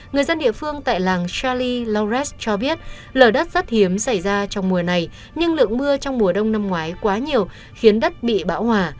người dân địa phương tại làng chàli lauress cho biết lở đất rất hiếm xảy ra trong mùa này nhưng lượng mưa trong mùa đông năm ngoái quá nhiều khiến đất bị bão hòa